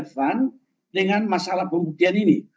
refund dengan masalah pembuktian ini